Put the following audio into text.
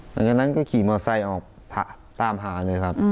หลังจากนั้นก็ขี่มอไซค์ออกตามหาเลยครับ